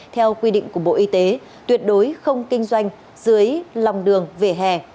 theo quy định của bộ y tế tuyệt đối không kinh doanh dưới lòng đường vỉa hè